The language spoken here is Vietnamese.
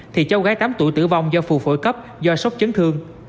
thì cháu gái tám tuổi tử vong do phù phổi cấp do sốc chấn thương